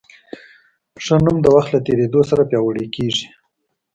ښه نوم د وخت له تېرېدو سره پیاوړی کېږي.